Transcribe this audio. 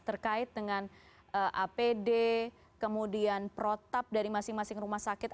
terkait dengan apd kemudian protap dari masing masing rumah sakit